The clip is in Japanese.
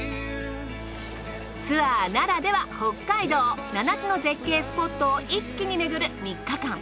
ツアーならでは北海道７つの絶景スポットを一気に巡る３日間。